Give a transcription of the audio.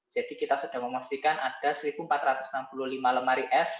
jadi kita sudah memastikan ada satu empat ratus enam puluh lima lemari s